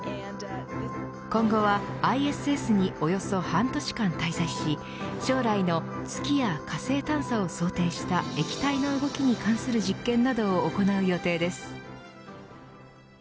今後はＩＳＳにおよそ半年間滞在し将来の月や火星探査を想定した液体の動きに関する実験などを行う予定です。